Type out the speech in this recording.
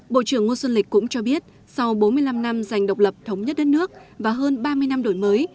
bộ trưởng ngô xuân lịch cũng cho biết sau bốn mươi năm năm giành độc lập thống nhất đất nước và hơn ba mươi năm đổi mới